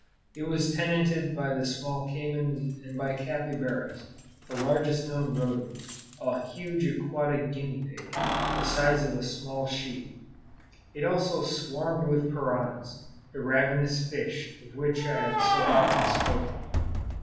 It was tenanted by the small caymans and by capybaras the largest known rodent, a huge aquatic guinea pig, the size of a small sheep. It also swarmed with piranhas, the ravenous fish of which I have so often spoken.